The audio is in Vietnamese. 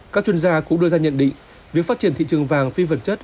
các chuyên gia cũng đưa ra nhận định việc phát triển thị trường vàng phi vật chất